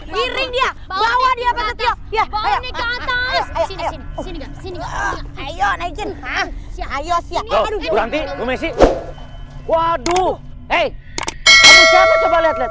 giring dia bawa dia ke atas ya ayo naikin ayo siap berhenti waduh eh coba lihat lihat